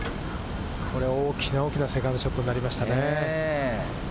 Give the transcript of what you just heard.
これは大きなセカンドショットになりましたね。